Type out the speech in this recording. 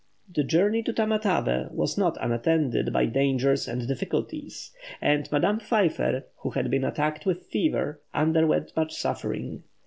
The journey to Tamatavé was not unattended by dangers and difficulties; and Madame Pfeiffer, who had been attacked with fever, underwent much suffering.